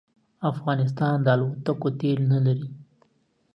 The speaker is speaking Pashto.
افغانستان د الوتکو تېل نه لري